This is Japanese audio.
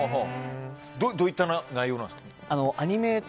どういった内容なんですか？